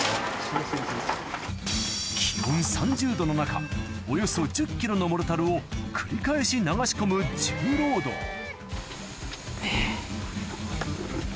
の中およそ１０ｋｇのモルタルを繰り返し流し込む重労働あぁ。